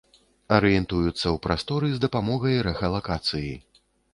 Арыентуюцца ў прасторы з дапамогай рэхалакацыі.